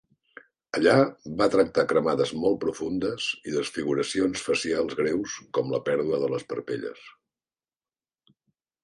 Allà, va tractar cremades molt profundes i desfiguracions facials greus, com la pèrdua de les parpelles.